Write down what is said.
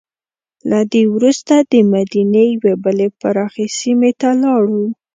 له دې وروسته دمدینې یوې بلې پراخې سیمې ته لاړو.